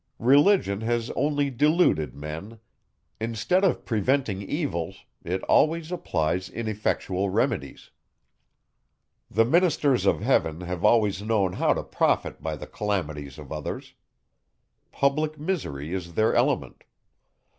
Religion has only deluded men; instead of preventing evils, it always applies ineffectual remedies. The ministers of heaven have always known how to profit by the calamities of others. Public misery is their element.